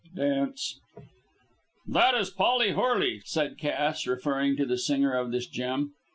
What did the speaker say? (Dance) "That is Polly Horley," said Cass, referring to the singer of this gem.